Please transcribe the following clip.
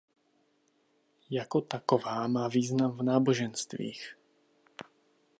Jako taková má význam v náboženstvích.